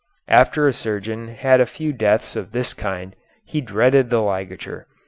After a surgeon had had a few deaths of this kind he dreaded the ligature.